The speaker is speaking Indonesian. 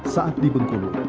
saat di bengkulu